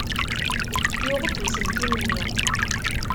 Yuɣ-d uselkim-nni.